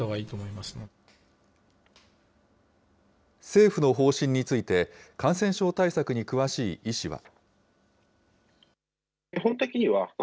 政府の方針について、感染症対策に詳しい医師は。